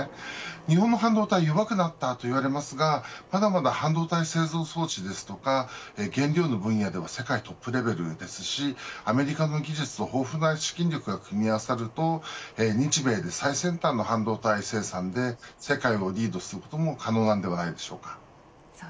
日本の半導体は弱くなったといわれますがまだまだ半導体製造装置ですとか原料の分野では世界トップレベルですしアメリカの技術と豊富な資金力が組み合わさると日米で最先端の半導体生産で世界をリードすることも可能だと思います。